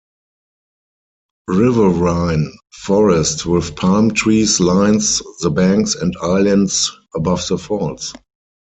Riverine forest with palm trees lines the banks and islands above the falls.